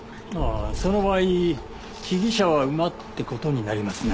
その場合被疑者は馬って事になりますね。